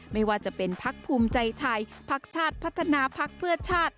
ไม่ว่าจะเป็นพักภูมิใจไทยพักชาติพัฒนาพักเพื่อชาติ